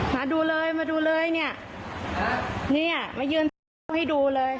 มาดูเลยมาดูเลยเนี้ยเนี้ยมายืนให้ดูเลย